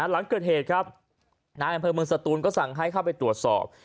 หลังเกิดเหตุครับนายอำเภอเมืองสตูนก็สั่งให้เข้าไปตรวจสอบ